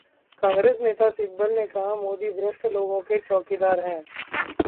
कांग्रेस नेता सिब्बल ने कहा- मोदी भ्रष्ट लोगों के 'चौकीदार' हैं